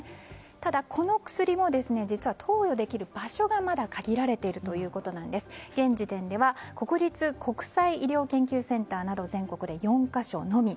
ただ、この薬実は投与できる場所がまだ限られているということで現時点では国立国際医療研究センターなど全国で４か所のみ。